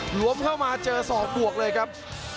หวมเข้ามาเจอศอกบวกเลยครับ